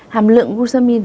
hàm lượng glucosamine